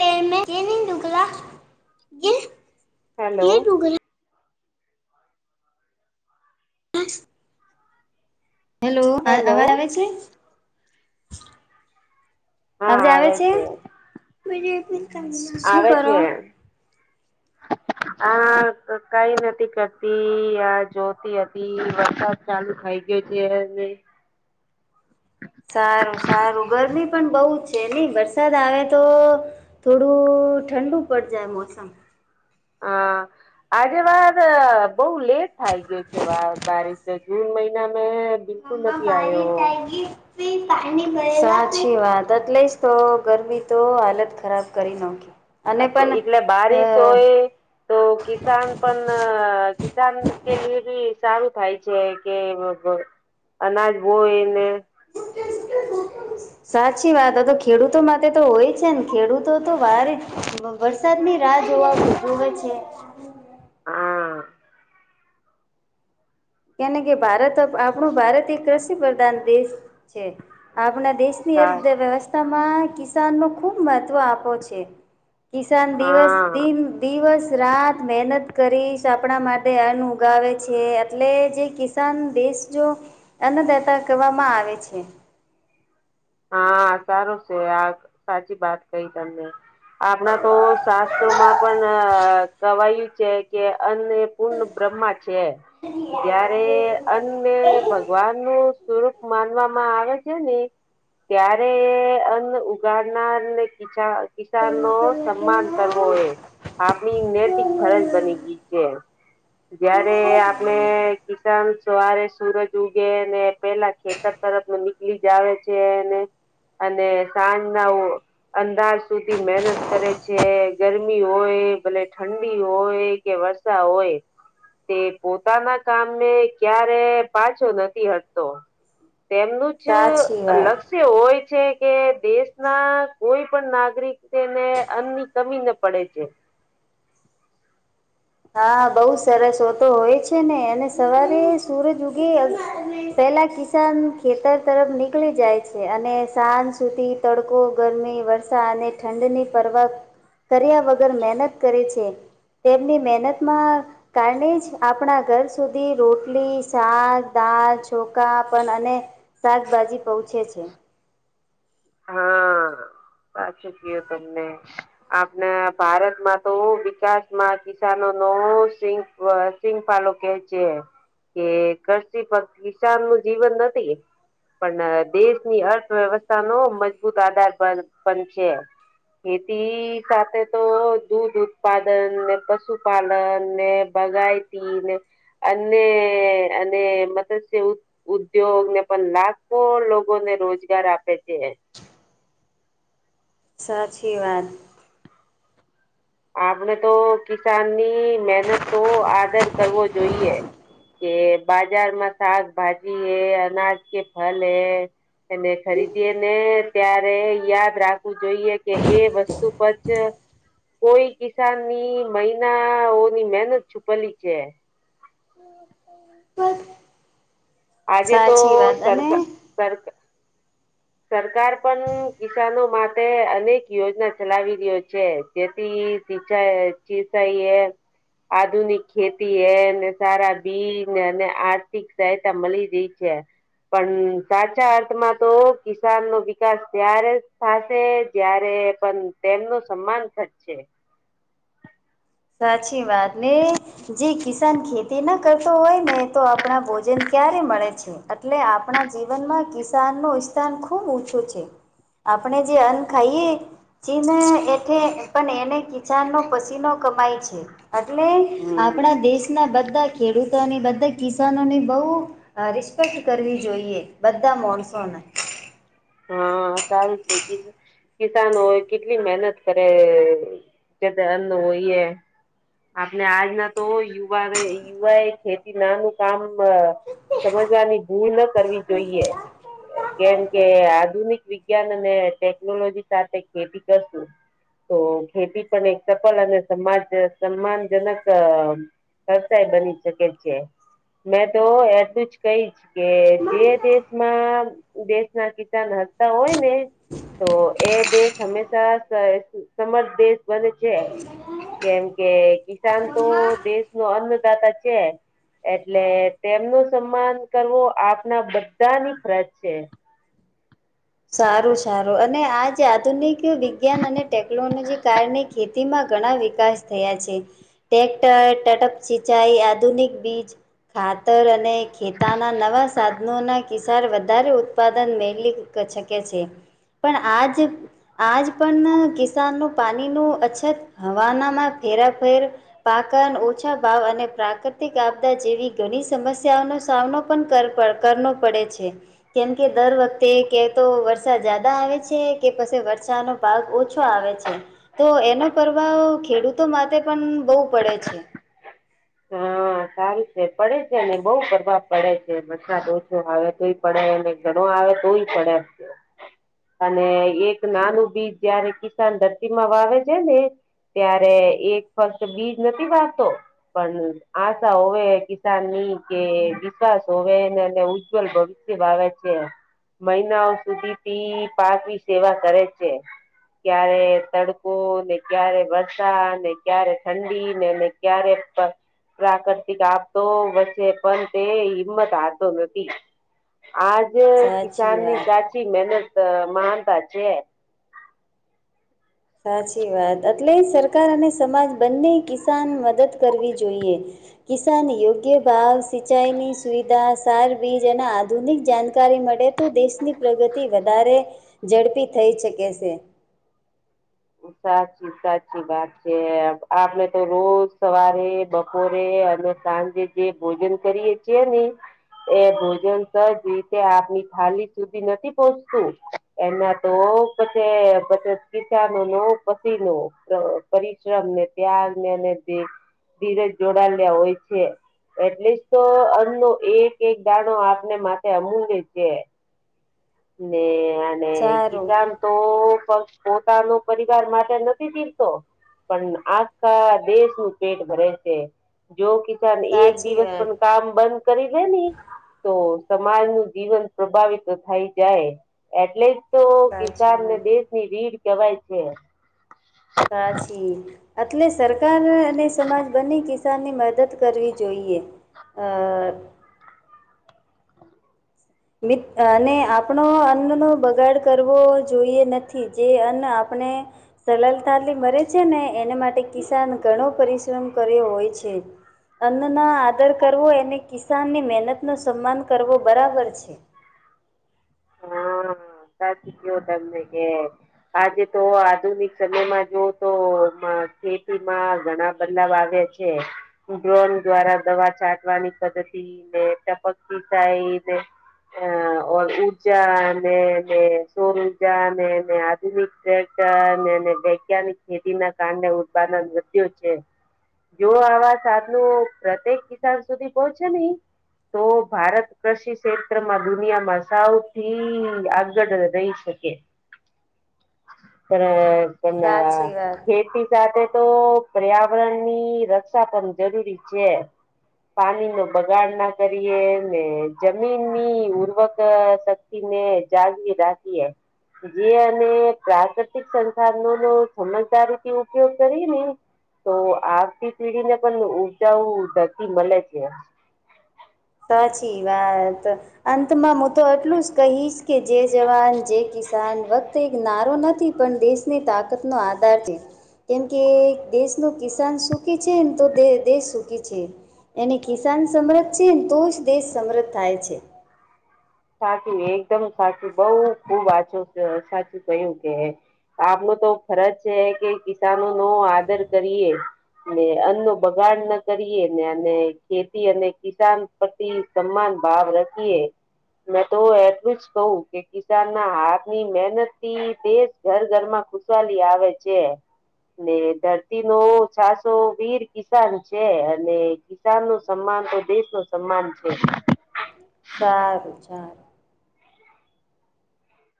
પેર મે રેનિંગ ડૂગલા ગલ હેલો ખે ડૂગલા. હેલો અવાજ આવે છે. આપડે આવે છે. શું આવે કરો છે. [inaudible] આ કઈ નથી કરતી આ જોતી હતી વરસાદ. ચાલુ ખાઈ ગયો છે. સારું સારું ગરમી પણ બહુ જ છે નઈ વરસાદ આવે તો થોડું ઠંડુ પડી જાય મોસમ. હા [inaudible] આજે વાત બહુ લેટ થાય ગય છે વા બારી જૂન મહિના મે. બિલકુલ મમ નથી ભારી આવ્યો ત ગીફ ફ સાચી વાત એટલે જ તો ગરમી તો હાલત ખરાબ કરી નખ અ એટલે બારિશ હોય તો કિસાન. પણ કિસાન કે લી બી સારું થાય છે કે. અનાજ હોોયને--ઓ સાચી વાત તો ખેડૂતો માટે તો હોય છે ને ખેડૂતો તો વાારે વરસાદની રાહ જોવાવે છે. હા. કેને કે ભારત આપણું ભારત એક કૃષિ પ્રધાન દેશ છે આપણા દેશની અર્થવ્યવસ્થા માં કિસાન નો ખુબ મહત્વ આપો છે. કિસાન દિવસ. હા દિવસ રાત મહેનત કરીશ આપણા માટે અનઉગાવે છે. એટલે જે કિસાન દેશ જો અન્નદાતા કરવામાં આવે છે. હા સારું છે આ સાચી વાત કઈ તમને. આપણા તો શાસ્ત્રોમાં પણ કવાયું છે કે અન્ય પૂર્ણ બ્રહ્મા છે જયારે અનભગવાન નું સ્વરૂપ માનવામાં આવે છે ને ત્યારે અન્ન ઉગાડનાર ને કીચા કિસાન નો સન્માન કરવો હોય આપણી નૈતિક ફરજ બની ગઈ છે જયારે આપણે કિસાન તોરે સુરજ ઉગે ને પેલા ખેતર તરફમાં નીકળી જ આવે છે. અને સાંજ ના. અંદાજ સુધી મહેનત કરે છે ગરમી હોય ભલે ઠંડી હોય કે વરષા હોય તે પોતાના કામને ક્યારે પાછો નથી હટતો તેમનું જ સાચી વાત. હોય છે કે દેશના કોઈ પણ નાગરિક તેને અનની કમીને પડે છે. હા બઉ સરસ હો તો હોય છે ને અને સવારે સુરજ ઉગે પેલા નકસાન ખેતર તરફ નીકળી જાય છે અને સાંજ સુધી તડકો ગરમી વરસા અને ઠંડની પરવા કર્યા વગર મહેનત કરે છે તેમની મહેનતમાં કારણે જ આપણા ઘર સુધી રોટલી શાક દાળ છોખા પણન અને શાકભાજી પહુચે છે. હા સાચું કયો તમને આપણા ભારતમાં તો વિકાસમાં કિસાનો નો સ સિપાલો કે છે કે કષિ પ કિસાન નું જીવન નથી. પણ દેશની અર્થવ્યવસ્થા નો મજબૂત આધાર પણ છે. ખેતી સાથે તો દૂધ ઉત્પાદન ને પશુપાલન ને બગાયતી. અને અને મત છે ઉદ્યોગ ને પણ લાખ આખો લોકોને રોજગાર આપે છે. સાચી વાત આપણે તો કિસાન ની મહેનત તો આદર કરવો જોઈએ. કે બાજારમાં શાકભાજી હે અનાજ કે ફલ હૈ એને ખરીદી ને ત્યારે યાદ રાખવું જોઈએ કે એ વસ્તુ પછ કોઈ કિસાન ની મહિનાઓની મહેનત છુપેલી છે. [unintelligible] આજે તો સાચી સરક સરક હમ સરકાર પણ કિસાનો માટે અનેક યોજના ચલાવી રહ્યો છે. જેથી સિચ ચીસ એ આધુનિક ખેતી એ સારા બીજ અને આર્થિક સહ મલી રહી છે પણ સાચા અર્થમાં તો કિસાન નો વિકાસ ત્યારે થશે ત્યારે પણ તેમનું સન્માન થ જશે. સાચી વાત ને જી કિસાન ખેતી. તેના કરતો હોય ને તો આપણાં ભોજન ક્યારે મળે છે. એટલે આપણા જીવનમાં કિસાન નું સ્થાન ખુબ ઓછું છે. આપણે જે અન ખાઈએ ચીન એઠ પણ એને કિસાન નો પસીનો કમાય છે. એટલે હમ આપણા દેશના બધા ખેડૂતોની બધા કિસાનોની બહુ રિસ્પેક્ટ કરવી જોઈએ બધા માણસોને. હા સારું છે કિસાનો કેટલી મહેનત કરે. કે તેનો હોઈએ. આપણે આજના તો યુવા યુવા એ ખેતી નાનું કામ સમજવાની ભૂલ ન કરવી જોઈએ કેમ કે આધુનિક વિજ્ઞાન અને ટેકનોલોજી સાથે ખેતી કરશું. તો ખેતી પણ એક સફળ અને સમાજ સન્માનજનક કસાઈ બની શકે છે. મેં તો એલું જ કહીશ કે જે દેશમાં કિચન હતા હોય ને તો એ દેશ હમેશા સમર્થ દેશ બને છે કેમ કે કિસાન તો મમ્મા દેશ ન અન્નદાતા છે. એટલે તેમનું સન્માન કરવો આપના બધાની ફરજ છે. સારું સારું અને આજ આધુનિક વિજ્ઞાન અને ટેકનોલોજી કારણે ખેતીમાં ઘણા વિકાસ થયા છે. ટટેક્ટર ટટઅપ સિંચાઈ આધુનિક બીજ ખાતર અને ખેતાના નવા સાધનોના કિસ્સાર વધારે ઉત્પાદન મેળલી શકે છે પણ આજ આજ પણ કિસાનનું પાણીનું અછત હવાનામાં ફેરાફેર પાકન ઓછા ભાવ અને પ્રાકૃતિક આપદા જેવી ઘણી સમસ્યાઓનો સામનો કર પડે છે કેમ કે દર વખતે કે તો વરસાદ જ્યાદા આવે છે કે પછી વરષાનો ભાગ ઓછો આવે છે. તો એનો પ્રભાવ ખેડૂતો માટે પણ બહુ પડે છે. હા સારું છે પડે છે ને બહુ પ્રભાવ પડે છે મસા ઓછો આવે તો પડે એને ઘણું આવે તોય પડે. હ અને એક નાનું બીજ જયારે કિસાન ધરતી માં વાવે છે ને. ત્યારે એક ફર્ત બીજ નથી વારતો. પણ આશા હોવે કિસાન ની કે વિકાસ હોવે ઉજ્જવલ ભવિ વાવે છે મહિનાઓ સુધી પી પાકની સેવા કરે છે. ક્યારે તડકો ને ક્યારે વરસાા ને ક્યારે ઠંડી નેને ક્યારે પ્રાકૃતિક આપતો વચ્ચે પણ તે હિંમત હતો નથી. આજ સાચી કિસાન ની વાત સાચી મહેનત માનતા છે. સાચી વાત એટલે સરકાર અને સમાજ બંને કિસાન મદદ કરવી જોઈએ. કિસાન યોગ્ય ભાવ સિંચાઈની સુવિધા સારબીજ એના આધુનિક જાણકારી મળે. દેશની પ્રગતિ વધારે ઝડપી થઈ શકે છે. સાચી સાચી વાત છે આપણે તો રોજ સવારે બપોરે અને સાંજે જે ભોજન કરીએ છીએ ને. એ ભોજન સજ રીતે આપની થાલી સુધી નથી પહોચતું. એના તો પછી પછ પ નો પછ ન પરિશ્રમ ને ત્યારને જે ધીરેજ જોડ્યા હોય છે. એટલીસ્ટ તો અન્નો એક એક દાણો આપને માટેથે અમૂલ્ય છે. ને અને સારું ગીતા તો પક્ષ પોતાનો પરિવાર માટે નથી જીવતો. પણ આખા દેશ નું પેટ ભરે છે. જો કિસાન એક સાચી દિવસ વાત પણ કામ બંધ કરી દે ન તો સમાજ નું જીવન પ્રભાવિત થાય જાય એટલે જ તો કિસાન સાચી ને વાત દેશ ની રીડ કેવાય છે. સાચી એટલે સરકાર અને સમાજ બની કે કિસાનની મદદ કરવી જોઈએ. મિત અને આપણો અન્નનોો બગાડ કરવો જોઈએ નથી જે અન્ન આપણે સલાલ થાલી મરે છે ને એને માટે કિસાન ઘણો પરિશ્રમ કર્યો હોય છે. અન્નના આદર કરવો અને કિસાનની મહેનત નો સન્માન કરવો બરાબર છે. એક [inaudible] સાચી ક્યો તમે? આજે તો આધુનિક સમય માં જુઓ તો માં ખેતી માં ઘણા બદલાવ આવ્યા છે. છે. ડ્રોન દ્વારા દવા ચાંટવાની પદ્ધતિ ને ટપક સિંચાઈ જે હ ઓર ઉ ઉજા ને જે સોર ઉર્જા ને આધુનિકને [unintelligible] ને વૈજ્ઞાનિક ખેતી ના કારણે ઉત્પાદન વધ્યો છે. જો આવા સાધનો પ્રત્યેક કિસાન સુધી પોહોંચે નહી તો ભારત કૃષિ ક્ષેત્ર માં દુનિયામાં સાવ થી આગળ રહી શકે પણ સાચી પણ વાત. ખેતી સાથે તો પર્યાવરણ ની રક્ષા પણ જરૂરી છે. પાણી નો બગાડ ના કરીએ ને જમીનની ઉર્વક સાત ને જાગીએ રાખીએ. જે અને પ્રાકૃતિક સંસાધનો નો સમજદારીથી ઉપયોગ કરી ને તો આવતી પેઢી ને પણ ઉર્જા ઓ ધરતી મળે છે. સાચી વાત. અંતમાં હું તો એટલું જ કહીશ કે જે જવાન જે કિસાન વ તે એક નારો નથી પણ દેશની તાકાતનો આધાર છે. કેમ કે એક દેશનું કિસાન સુખી છે ને તો દેશ સુખી છે. એને કિસાન સમૃત છે તો જ દેશ સમૃત થાય છે. સાચું એકદમ સાચું બઉ ખુબ વાછું સાચું કયું કે આપનો તો ફરજ છે કે કિસાનો નો આદર કરીએ. ને અન્નો બગાડ ન કરીએ ને અને ખેતી અને કિસાન પ્રતિ સમાન ભાવ રાખીએ. મેં તો એટલું જ કહું કે કિસાન ના હાથ ની મહેનત થી દેશ ઘર ઘર માં ખુશહાલી આવે છે. ને ધરતી નો છસો વીર કિસાન છે અને કિસાન નું સન્માન તો દેશ નું સન્માન છે. સારું ચાલ.